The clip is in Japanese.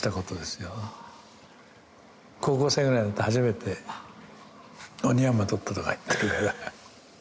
高校生ぐらいになって初めてオニヤンマ捕ったとか言ってるから。